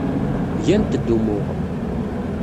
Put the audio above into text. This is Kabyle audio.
Gant-d umuɣ.